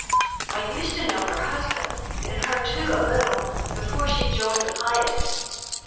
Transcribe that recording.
"I used to know her husband, and her too a little, before she'd joined the Pietists."